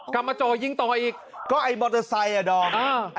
กำมาโจยยิงต่ออีกก็ไอบอลเตอร์ไซด์อะอ่า